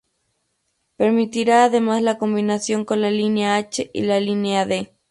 Permitirá además la combinación con la Línea H y la Línea D